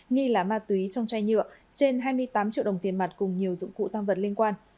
nghi là ma túy trong chai nhựa trên hai mươi tám triệu đồng tiền mặt cùng nhiều dụng cụ tam vật liên quan